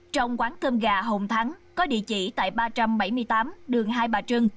trong quán cơm gà hồng thắng có địa chỉ tại ba trăm bảy mươi tám đường hai bà trưng